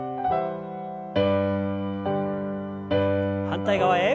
反対側へ。